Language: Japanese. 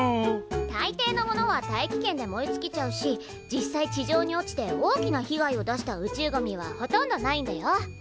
たいていのものは大気圏で燃えつきちゃうし実際地上に落ちて大きなひがいを出した宇宙ゴミはほとんどないんだよ。